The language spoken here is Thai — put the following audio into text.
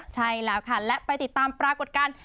ใช่แล้วค่ะและไปติดตามปรากฏการณ์